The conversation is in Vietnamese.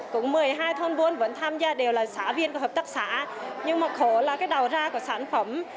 cũng một mươi hai thôn buôn vẫn tham gia đều là xã viên của hợp tác xã nhưng một số là cái đầu ra của sản phẩm